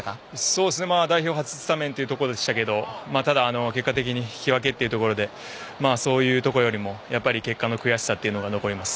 まず代表初スタメンというところでしたけどただ結果的に引き分けというところでそういうところよりもやっぱり結果の悔しさというのが残ります。